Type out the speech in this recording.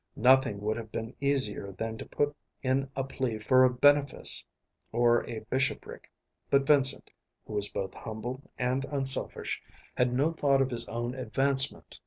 Nothing would have been easier than to put in a plea for a benefice or a bishopric; but Vincent, who was both humble and unselfish, had no thought of his own advancement.